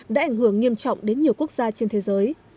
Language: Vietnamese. đã ảnh hưởng nghiêm trọng đến nhiều quốc gia trên thế giới